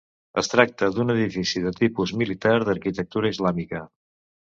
Es tracta d'un edifici de tipus militar, d'arquitectura islàmica.